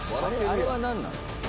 「あれはなんなの？」